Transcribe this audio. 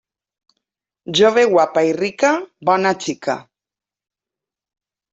Jove guapa i rica, bona xica.